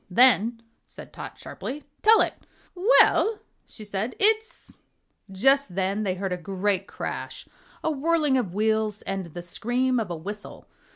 "Then," said Tot, sharply, "tell it!" "Well," she said, "it's " Just then they heard a great crash, a whirling of wheels and the scream of a whistle.